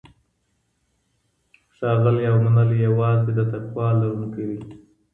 ښاغلی او منلی یوازې د تقوی لرونکی دی.